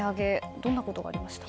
どんなことがありましたか？